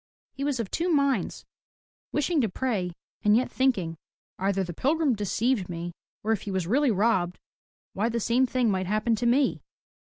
He was of two minds, wishing to pray and yet thinking, "Either the pilgrim deceived me, or if he was really robbed, why the same thing might happen to me.''